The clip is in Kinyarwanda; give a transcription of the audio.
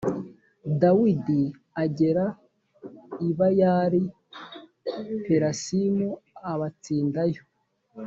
dawidi agera i bayali perasimu abatsindayo